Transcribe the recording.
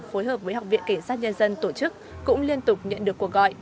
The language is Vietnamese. phối hợp với học viện kể sát nhân dân tổ chức cũng liên tục nhận được cuộc gọi